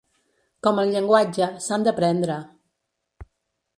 Com el llenguatge, s’han d’aprendre.